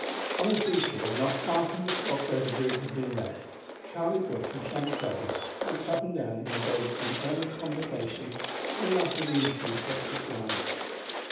On the sea shore, not far from the spot where the brig had been wrecked, Charlie Brooke and Shank Leather walked up and down engaged in earnest conversation soon after the interviews just described.